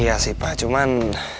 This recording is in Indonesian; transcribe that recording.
iya sih pa cuman